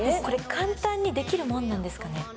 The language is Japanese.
簡単にできるものなんですかね？